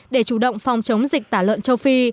để chủ động phòng chống dịch tả lợn châu phi